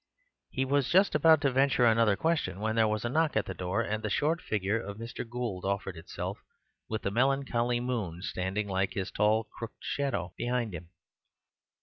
He was just about to venture another question, when there was a knock at the door, and the short figure of Mr. Gould offered itself, with the melancholy Moon, standing like his tall crooked shadow, behind him.